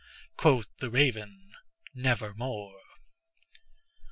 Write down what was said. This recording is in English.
'Quoth the Raven 'Nevermore.